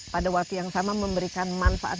pada waktu yang sama memberikan manfaat